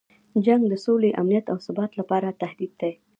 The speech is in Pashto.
جنګ د سولې، امنیت او ثبات لپاره تهدید دی.